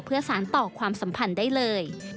เพื่อสารต่อความสัมพันธ์ได้เลย